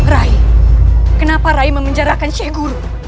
rai kenapa rai mengenjarakan sheikh guru